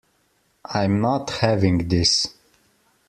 I'm not having this.